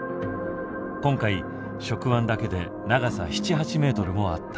今回触腕だけで長さ７８ｍもあった。